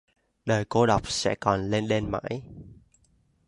Đời cô độc sẽ còn lênh đênh mãi